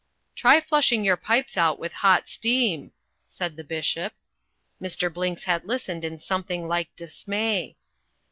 "Try flushing your pipes out with hot steam," said the Bishop. Mr. Blinks had listened in something like dismay.